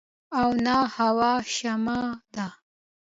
او نه اۤهو چشمه ده